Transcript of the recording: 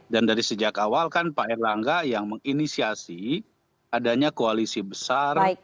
dan dari sejak awal kan pak irlanda yang menginisiasi adanya koalisi besar